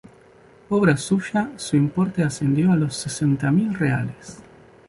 Obra suya, su importe ascendió a los sesenta mil reales.